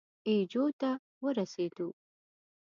اي جو ته ورسېدو.